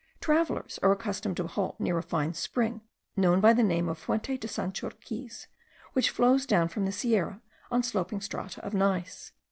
Travellers are accustomed to halt near a fine spring, known by the name of Fuente de Sanchorquiz, which flows down from the Sierra on sloping strata of gneiss.